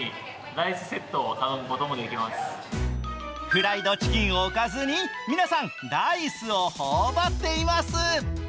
フライドチキンをおかずに、皆さん、ライスを頬張っています。